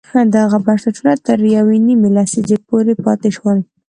دغه بنسټونه تر یوې نیمې لسیزې پورې پاتې شول.